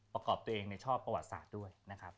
ประกอบตัวเองในชอบประวัติศาสตร์ด้วยนะครับ